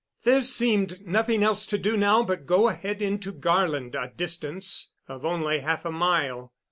There seemed nothing else to do now but go ahead into Garland, a distance of only half a mile.